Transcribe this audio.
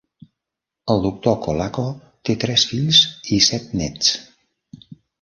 El doctor Colaco té tres fills i set néts.